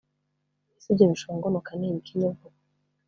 ese ibyo bishongonoka ni ibiki nyogoku’